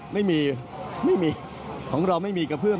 มันไม่มีครับของเราไม่มีกระเพื่อม